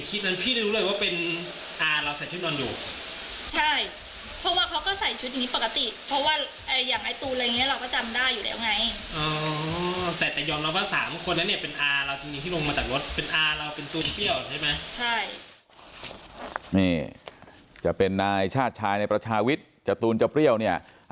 นี่จะเป็นนายชาติชายในประชาวิทย์จตูนจะเปรี้ยวเนี่ย